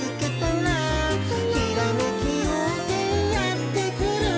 「ひらめきようせいやってくる」